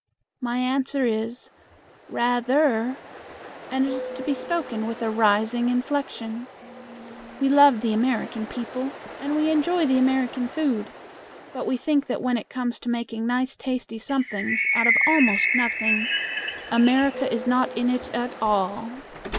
My answer is, "Rather," and it is to be spoken with a rising inflection. We love the American people, and we enjoy the American food, but we think that when it comes to making nice tasty somethings out of almost nothing, America is not in it at all.